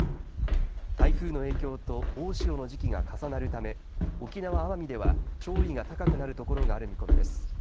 台風の影響と大潮の時期が重なるため、沖縄・奄美では潮位が高くなるところがある見込みです。